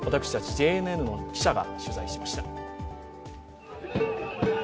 ＪＮＮの記者が取材しました。